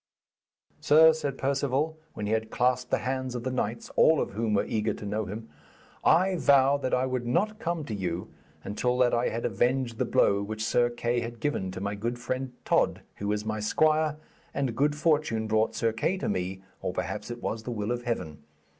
'Sir,' said Perceval, when he had clasped the hands of the knights, all of whom were eager to know him, 'I vowed that I would not come to you until that I had avenged the blow which Sir Kay had given to my good friend Tod, who is my squire, and good fortune brought Sir Kay to me, or perhaps it was the will of Heaven.